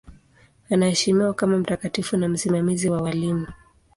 Anaheshimiwa kama mtakatifu na msimamizi wa walimu.